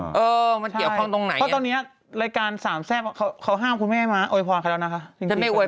เขาไม่ได้มีนางแบบไหนแบบเขาไปเกี่ยวข้องซะหน่อย